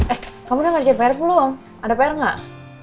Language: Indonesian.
eh kamu udah ngerjain pr belum ada pr nggak